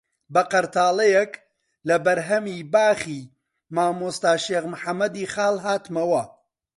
بە قەرتاڵەیەک لە بەرهەمی باخی مامۆستا شێخ محەممەدی خاڵ هاتمەوە